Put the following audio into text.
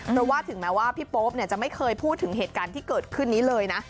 เพราะว่าถึงแม้ว่าพี่โป๊ปจะไม่เคยพูดถึงเหตุการณ์ที่เกิดขึ้นนี้เลยนะ